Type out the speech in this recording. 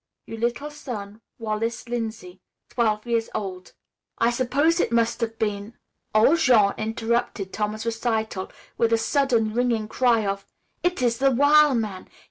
You little son, Wallace Lindsey, twelve years old.' I suppose it must have been " Old Jean interrupted Tom's recital with a sudden ringing cry of, "It is the wil' man!